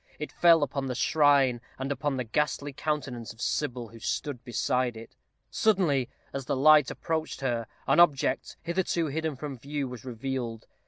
It fell upon the shrine, and upon the ghastly countenance of Sybil, who stood beside it. Suddenly, as the light approached her, an object, hitherto hidden from view, was revealed.